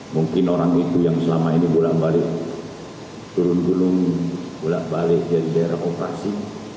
mungkin orang itu yang selama ini bulat balik turun bulung bulat balik dari daerah operasi